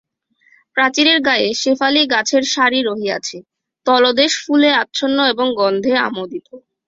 প্রাচীরের গায়ে শেফালি-গাছের সারি রহিয়াছে, তলদেশ ফুলে আচ্ছন্ন এবং গন্ধে আমোদিত।